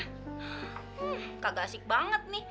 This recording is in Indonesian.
hmm kagak asik banget nih